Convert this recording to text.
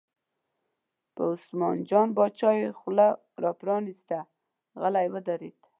په عثمان جان باچا یې خوله را پرانسته، غلی ودرېد.